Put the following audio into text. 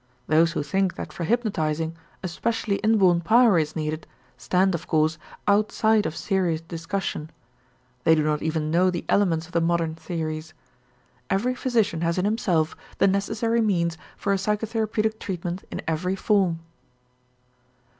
Those who think that for hypnotizing especially inborn power is needed stand, of course, outside of a serious discussion. They do not even know the elements of the modern theories. Every physician has in himself the necessary means for a psychotherapeutic treatment in every form.